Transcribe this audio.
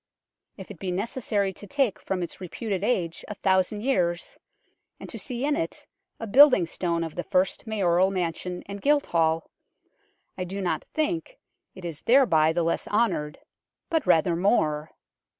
If it be necessary to take from its reputed age a thousand years, and to see in it a building stone of the first Mayoral mansion and Guildhall, I do not think it is thereby the less honoured, but rather more.